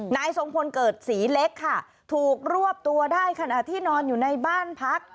นายทรงพลเกิดศรีเล็กค่ะถูกรวบตัวได้ขณะที่นอนอยู่ในบ้านพัก